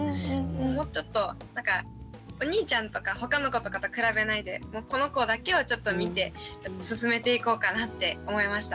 もうちょっとなんかお兄ちゃんとか他の子とかと比べないでこの子だけをちょっと見て進めていこうかなって思いました。